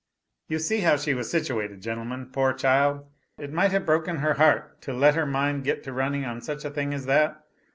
"You see how she was situated, gentlemen; poor child, it might have broken her heart to let her mind get to running on such a thing as that.